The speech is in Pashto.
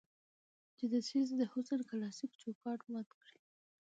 چې د ښځې د حسن کلاسيک چوکاټ مات کړي